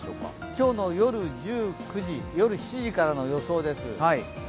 今日の夜７時からの予想です。